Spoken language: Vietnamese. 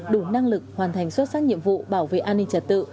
đủ năng lực hoàn thành xuất sắc nhiệm vụ bảo vệ an ninh trật tự